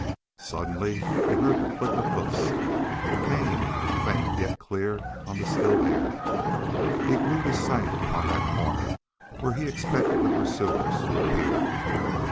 Suddenly he heard the click of hoofs. It came, faint yet clear, on the still air. He glued his sight upon that corner where he expected the pursuers to appear.